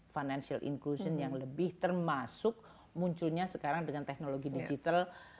financial inclusion yang lebih termasuk munculnya sekarang dengan teknologi digital